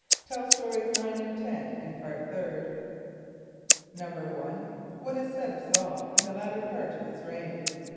(Tell Stories 9 and 10 in Part Third.) =1.= What is said of S[a:]ul, in the latter part of his reign?